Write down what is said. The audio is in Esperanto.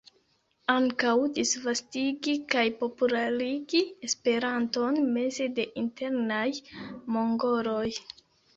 Ankaŭ disvastigi kaj popularigi Esperanton meze de internaj mongoloj.